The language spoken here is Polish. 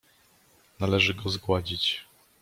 "Należy go zgładzić."